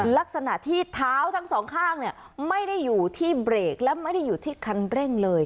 ลักษณะที่เท้าทั้งสองข้างเนี่ยไม่ได้อยู่ที่เบรกและไม่ได้อยู่ที่คันเร่งเลย